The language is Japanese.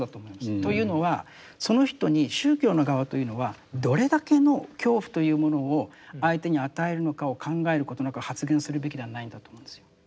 というのはその人に宗教の側というのはどれだけの恐怖というものを相手に与えるのかを考えることなく発言するべきではないんだと思うんですよ。